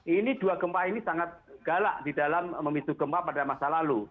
ini dua gempa ini sangat galak di dalam memicu gempa pada masa lalu